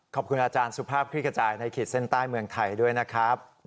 ขอบคุณอาจารย์สุภาพคลิกกระจายในขีดเส้นใต้เมืองไทยด้วยนะครับ